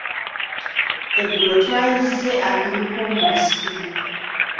Eggulo twayizze akamyu koomunsiko.